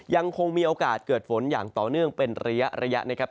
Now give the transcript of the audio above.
ยังคงมีโอกาสเกิดฝนอย่างต่อเนื่องเป็นระยะนะครับ